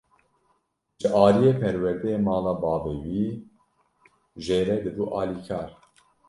Ji aliyê perwerdeyê mala bavê wî jê re dibû alîkar.